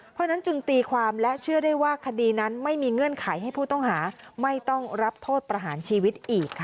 เพราะฉะนั้นจึงตีความและเชื่อได้ว่าคดีนั้นไม่มีเงื่อนไขให้ผู้ต้องหาไม่ต้องรับโทษประหารชีวิตอีกค่ะ